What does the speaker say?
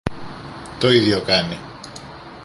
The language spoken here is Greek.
Το ίδιο κάνει.